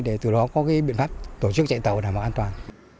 để từ đó có biện pháp tổ chức chạy tàu và đảm bảo an toàn